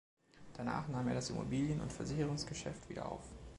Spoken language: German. Danach nahm er das Immobilien- und Versicherungsgeschäft wieder auf.